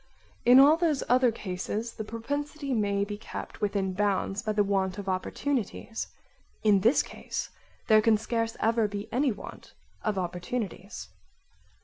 3) In all those other cases the propensity may be kept within bounds by the want of opportunities; in this case there can scarce ever be any want of opportunities.